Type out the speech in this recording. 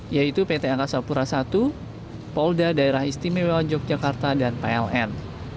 yaitu pt angkasa pura i polda daerah istimewa yogyakarta dan pln